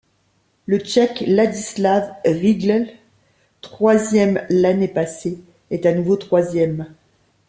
Le Tchèque Ladislav Rygl, troisième l'année passée, est à nouveau troisième.